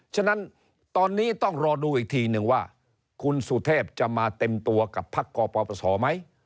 ฉะนั้นตอนนี้ต้องรอดูอีกทีนึงว่าคุณสุเทพจะมาเต็มตัวกับพักกปศไหม